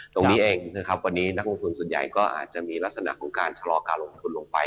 ตรงนี้เองภิกษ์สุดสุดใหญ่ก็อาจจะมีลักษณะของการชะลอการลงทุนลงไป